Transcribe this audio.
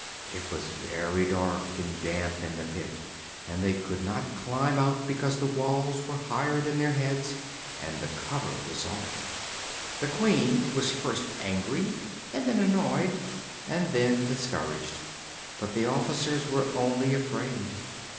It was very dark and damp in the pit and they could not climb out because the walls were higher than their heads and the cover was on. The Queen was first angry and then annoyed and then discouraged; but the officers were only afraid.